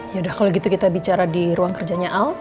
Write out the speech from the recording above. yaudah kalau gitu kita bicara di ruang kerjanya al